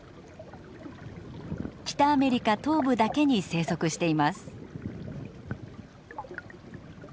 北アメリカ東部だけに生息しています。